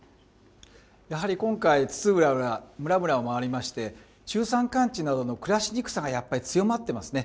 やはり今回、津々浦々、村々を回りまして、中山間地などの暮らしにくさがやっぱり、強まってますね。